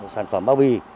sản phẩm bao bì